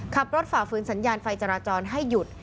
ขับรถฝ่าฟื้นสัญญาณไฟจราจรให้หยุด